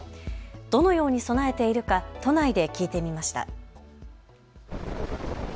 どのように備えているか都内で聞いてみました。